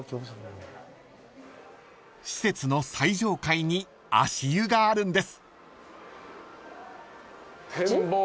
［施設の最上階に足湯があるんです］